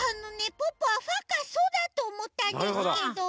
ポッポはファかソだとおもったんですけども。